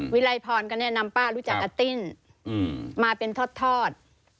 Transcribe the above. วิไลพรก็แนะนำป้ารู้จักกับติ้นมาเป็นทอด